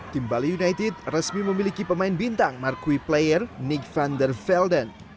tim bali united resmi memiliki pemain bintang marki player nick van der velden